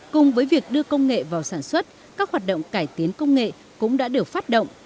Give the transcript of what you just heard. cùng với việc đưa công nghệ vào sản xuất các hoạt động cải tiến công nghệ cũng đã được phát động